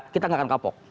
kita enggak akan kapok